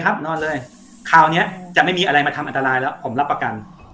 นอนเลยคราวนี้จะไม่มีอะไรมาทำอันตรายแล้วผมรับประกัน